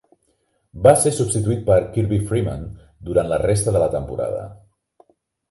Va ser substituït per Kirby Freeman durant la resta de la temporada.